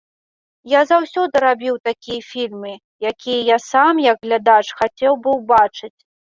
Я заўсёды рабіў такія фільмы, якія я сам, як глядач, хацеў бы ўбачыць.